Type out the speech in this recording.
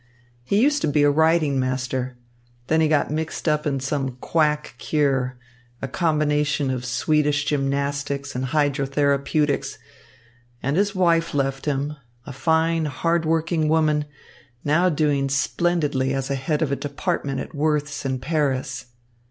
He used to be a riding master. Then he got mixed up in some quack cure, a combination of Swedish gymnastics and hydrotherapeutics, and his wife left him, a fine, hard working woman, now doing splendidly as head of a department at Worth's in Paris."